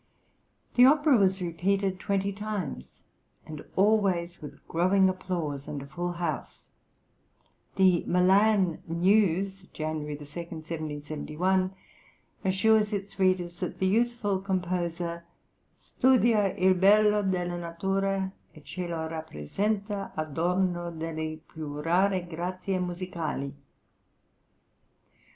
The opera was repeated twenty times, and always with growing applause and a full house. The "Milan News," (January 2, 1771) assures its readers, that the youthful composer "studia il bello della natura e ce lo rappressenta adomo delle più rare grazie musicali."